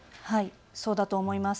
そうだと思います。